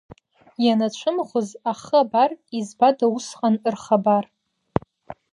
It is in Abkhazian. Ианацәымӷыз ахы абар, избада усҟан рхабар.